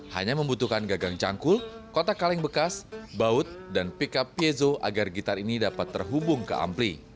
hanya membutuhkan gagang cangkul kotak kaleng bekas baut dan pickup piezo agar gitar ini dapat terhubung ke ampli